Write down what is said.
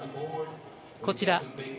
こちら